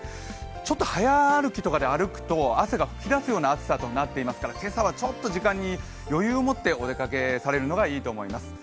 ちょっと早歩きで歩くと汗が噴き出すようになっていますので今朝はちょっと時間に余裕を持ってお出かけされるのがいいと思います。